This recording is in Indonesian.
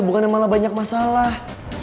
bukannya malah banyak masalah